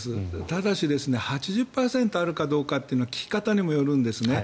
ただし８０％あるかどうかというのは聞き方にもよるんですね。